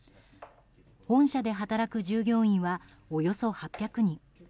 本社で働く従業員はおよそ８００人。